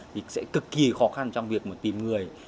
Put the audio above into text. thì sẽ cực kỳ khó khăn trong việc tìm người